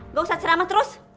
gak usah ceramah terus